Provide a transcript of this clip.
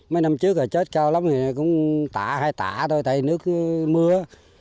mấy năm trước chết cao lắm thì cũng tả hai tả thôi tại nước mưa